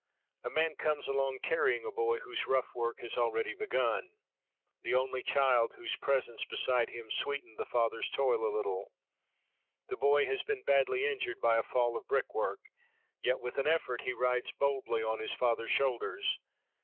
"A man comes along carrying a boy whose rough work has already begun—the only child—whose presence beside him sweetened the father's toil a little. The boy has been badly injured by a fall of brick work, yet, with an effort, he rides boldly on his father's shoulders.